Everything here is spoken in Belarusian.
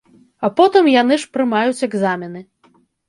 А потым яны ж прымаюць экзамены.